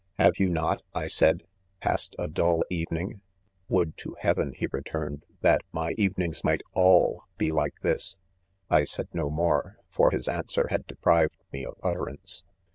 1 Have you not, I said, passed a dull evening 1 — ..^iW^l^tekeHs^ftr' he returned, "that my "Evening's might all be like this I " c I said no more, for his answer had deprived me of utterance.